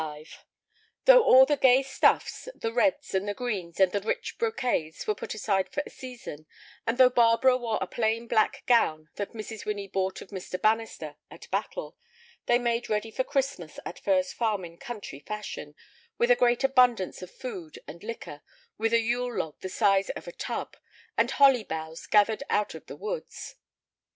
XLV Though all the gay stuffs, the reds and the greens and the rich brocades, were put aside for a season, and though Barbara wore a plain black gown that Mrs. Winnie bought of Mr. Bannister at Battle, they made ready for Christmas at Furze Farm in country fashion, with a great abundance of food and liquor, with a yule log the size of a tub, and holly boughs gathered out of the woods.